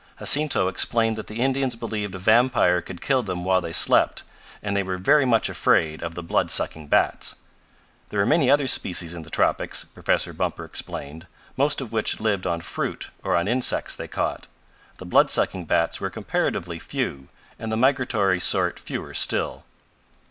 Jacinto explained that the Indians believed a vampire could kill them while they slept, and they were very much afraid of the blood sucking bats. There were many other species in the tropics, Professor Bumper explained, most of which lived on fruit or on insects they caught. The blood sucking bats were comparatively few, and the migratory sort fewer still.